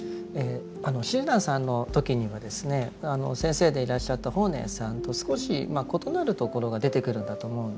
あの親鸞さんの時にはですね先生でいらっしゃった法然さんと少し異なるところが出てくるんだと思うんです。